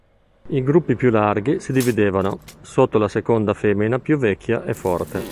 I gruppi più larghi si dividevano, sotto la seconda femmina più vecchia e forte.